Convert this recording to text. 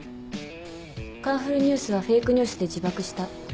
『カンフルＮＥＷＳ』はフェイクニュースで自爆した。